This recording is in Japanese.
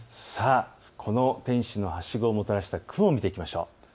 この天使のはしごをもたらした雲を見ていきましょう。